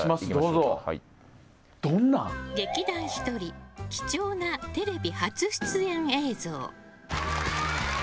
劇団ひとり貴重なテレビ初出演映像。